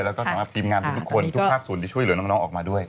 แล้วก็สำหรับทีมงานทุกคนทุกภาคส่วนที่ช่วยเหลือน้องออกมาด้วย